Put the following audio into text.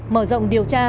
mở rộng điều tra